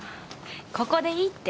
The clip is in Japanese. ここでいいって。